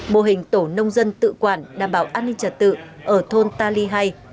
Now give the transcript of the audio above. mô hình tổ nông dân tự quản đảm bảo an ninh trật tự ở thôn ta ly hai